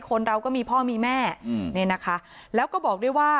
คนเราก็มีพ่อมีแม่แล้วก็บอกดีกว่า